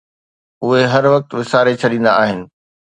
اهي هر وقت وساري ڇڏيندا آهن